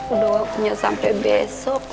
udah waktunya sampai besok